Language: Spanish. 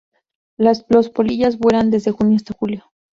Los polillas vuelan desde junio hasta julio.